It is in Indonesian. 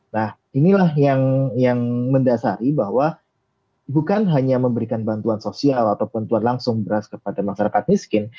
nah inilah yang mendasari bahwa bukan hanya memberikan bantuan sosial atau bantuan langsung beras kepada masyarakat miskin